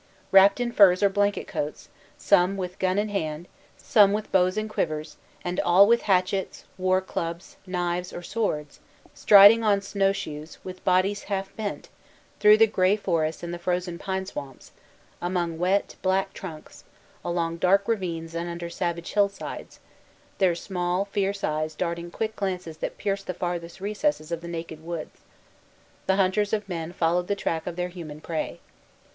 Wrapped in furs or blanket coats, some with gun in hand, some with bows and quivers, and all with hatchets, war clubs, knives, or swords, striding on snow shoes, with bodies half bent, through the gray forests and the frozen pine swamps, among wet, black trunks, along dark ravines and under savage hill sides, their small, fierce eyes darting quick glances that pierced the farthest recesses of the naked woods, the hunters of men followed the track of their human prey.